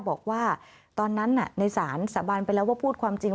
บอกว่าตอนนั้นในศาลสาบานไปแล้วว่าพูดความจริง